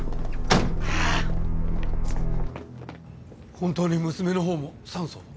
本当に娘のほうも酸素を？